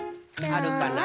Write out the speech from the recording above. あるかな？